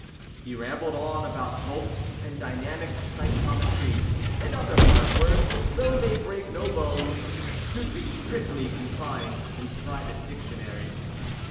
He rambled on about volts and dynamic psychometry and other hard words, which, though they break no bones, should be strictly confined in private dictionaries.